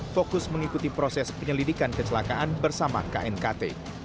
fokus mengikuti proses penyelidikan kecelakaan bersama knkt